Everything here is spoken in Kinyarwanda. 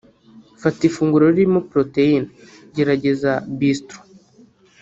Fata ifunguro ririmo protein(gerageza Bistro